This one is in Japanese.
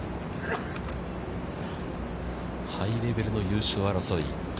ハイレベルの優勝争い。